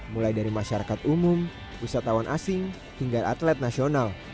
mulai dari masyarakat umum wisatawan asing hingga atlet nasional